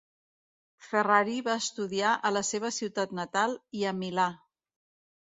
Ferrari va estudiar a la seva ciutat natal i a Milà.